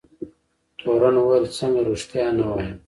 تورن وویل څنګه رښتیا نه وایم.